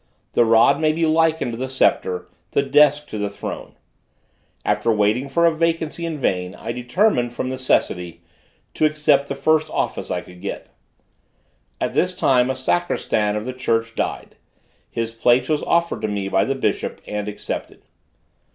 The rod may be likened to the sceptre; the desk to the throne. After waiting for a vacancy in vain, I determined, from necessity, to accept the first office I could get. At this time the sacristan of the church died; his place was offered to me by the bishop and accepted.